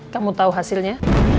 kamu tahu hasilnya